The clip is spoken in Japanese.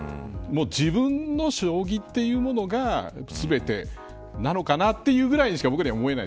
自分の将棋というものが全てなのかなというぐらいにしか僕には思えない。